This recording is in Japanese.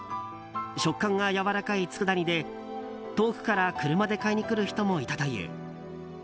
食感がやわらかいつくだ煮で遠くから車で買いに来る人もいたという。